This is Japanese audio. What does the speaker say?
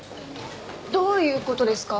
どういう事ですか？